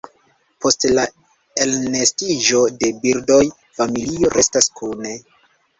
Post la elnestiĝo de birdoj, familio restas kune.